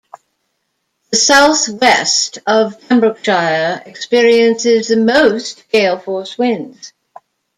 The southwest of Pembrokeshire experiences the most gale-force winds.